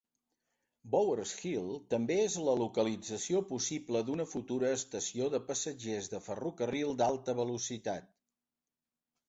Bower's Hill també és la localització possible d'una futura estació de passatgers de ferrocarril d'alta velocitat.